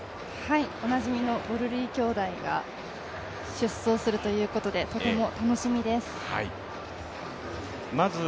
おなじみのボルリー兄弟が出走するということでとても楽しみです。